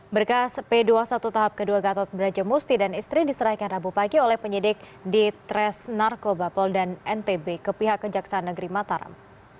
berkas p dua puluh satu tahap kedua gatot brajamusti dan istri diserahkan abu pagi oleh penyidik di tres narkoba pol dan ntb ke pihak kejaksaan negeri mataram